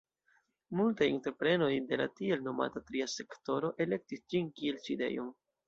Multaj entreprenoj de la tiel nomata tria sektoro elektis ĝin kiel sidejon.